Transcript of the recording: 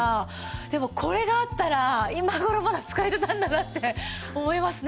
でもこれがあったら今頃まだ使えてたんだなって思いますね。